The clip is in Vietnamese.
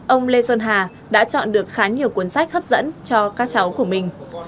ông lê sơn hà đã chọn được khá nhiều cuốn sách hấp dẫn cho các cháu của mình